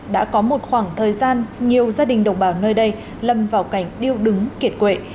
đã có một khoảng thời gian nhiều gia đình đồng bào nơi đây lầm vào cảnh điêu đứng kiệt quệ